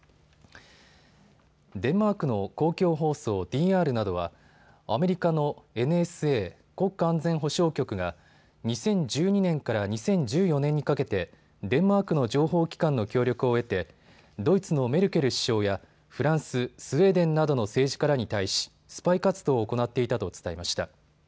デンマークの公共放送ＤＲなどはアメリカのＮＳＡ・国家安全保障局が２０１２年から２０１４年にかけてデンマークの情報機関の協力を得てドイツのメルケル首相やフランス、スウェーデンなどの政治家らに対し、スパイ活動を行っていたと伝えました。